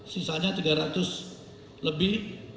sisanya tiga ratus lebih